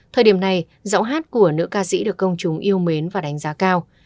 thời điểm này giọng hát của nữ ca sĩ được công chúng yêu mến và đánh giá cao